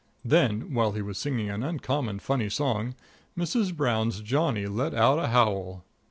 Then, while he was singing an uncommon funny song, Mrs. Brown's Johnny let out a howl.